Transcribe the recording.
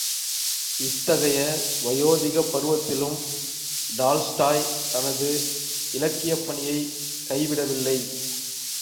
இத்தகைய வயோதிகப் பருவத்திலும், டால்ஸ்டாய் தனது இலக்கியப் பணியைக் கைவிடவில்லை.